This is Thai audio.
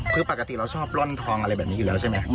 คือปกติเราชอบร่อนทองอะไรแบบนี้อยู่แล้วใช่ไหม